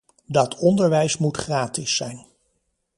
Dat onderwijs moet gratis zijn.